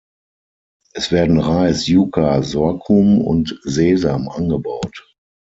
Es werden Reis, Yuca, Sorghum und Sesam angebaut.